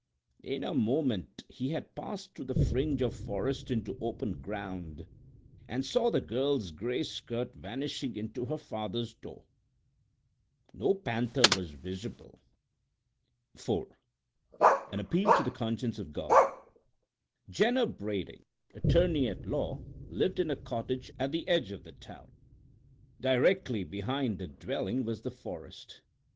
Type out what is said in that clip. In a moment he had passed through the fringe of forest into open ground and saw the girl's gray skirt vanishing into her father's door. No panther was visible. IV AN APPEAL TO THE CONSCIENCE OF GOD Jenner Brading, attorney at law, lived in a cottage at the edge of the town. Directly behind the dwelling was the forest.